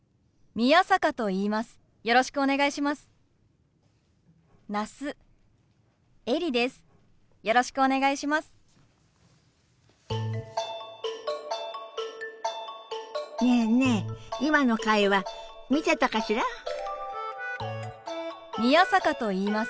宮坂と言います。